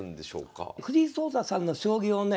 藤井聡太さんの将棋をね